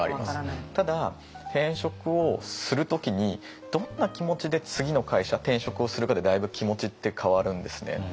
ただ転職をする時にどんな気持ちで次の会社転職をするかでだいぶ気持ちって変わるんですね。